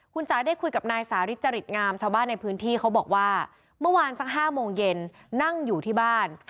คุณจ๋าได้คุยกับนายสาริจริตงามชาวบ้านในพื้นที่เขาบอกว่าเมื่อวานสัก๕โมงเย็นนั่งอยู่ที่บ้าน